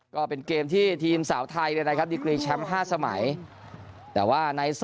ก็เป็นเกมที่ทีมสาวไทยเนี่ยนะครับดีกรีแชมป์๕สมัยแต่ว่าใน